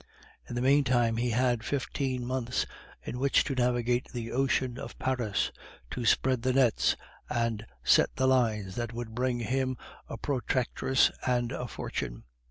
In the meantime he had fifteen months in which to navigate the ocean of Paris, to spread the nets and set the lines that would bring him a protectress and a fortune.